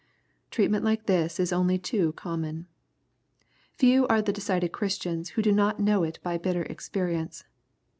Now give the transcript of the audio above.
Treatment like this is only too common. Few are the decided Christians who do not know it by bitter experi ence.